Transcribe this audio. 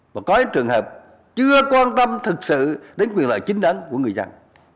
và có những trường hợp chưa quan tâm thực sự đến quyền lợi chính đáng của người dân